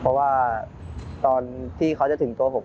เพราะว่าตอนที่เขาจะถึงตัวผม